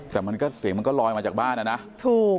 แต่มันก็เสียงมันก็ลอยมาจากบ้านอ่ะนะถูก